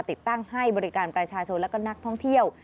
ติดตั้งให้บริการประชาชนและก็นักท่องเที่ยว